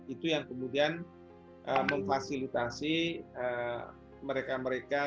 itu yang kemudian memfasilitasi mereka mereka